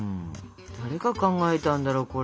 誰が考えたんだろうこれ。